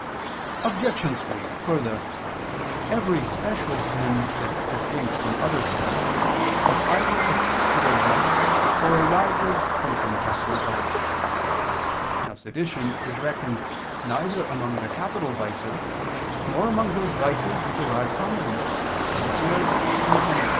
Obj. 3: Further, every special sin that is distinct from other sins, is either a capital vice, or arises from some capital vice. Now sedition is reckoned neither among the capital vices, nor among those vices which arise from them, as appears from Moral.